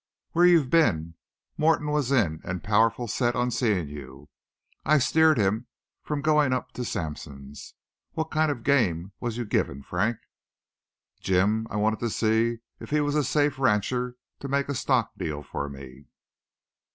"Where've you been? Morton was in an' powerful set on seein' you. I steered him from goin' up to Sampson's. What kind of a game was you givin' Frank?" "Jim, I just wanted to see if he was a safe rancher to make a stock deal for me."